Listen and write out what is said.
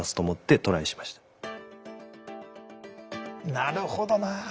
なるほどな。